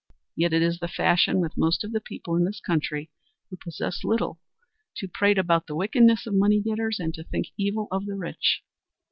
Yet it is the fashion with most of the people in this country who possess little to prate about the wickedness of money getters and to think evil of the rich.